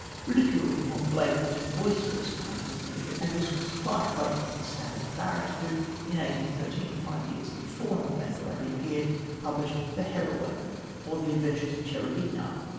Ridicule of a more blatant and boisterous kind was needed, and this was supplied by Eaton Stannard Barrett, who, in 1813 five years before Northanger Abbey appeared published The Heroine or The Adventures of Cherubina.